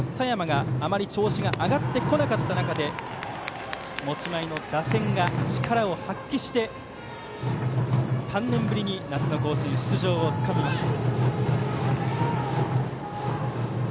ただ、夏の大会はそのエースの佐山があまり調子が上がってこなかった中で持ち前の打線が力を発揮して３年ぶりに夏の甲子園出場をつかみました。